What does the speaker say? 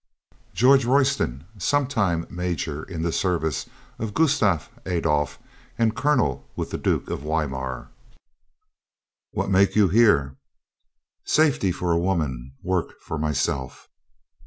"George Royston, sometime major in the service of Gustav Adolf and colonel with the Duke of Weimar." "What make you here?" "Safety for a woman, work for myself."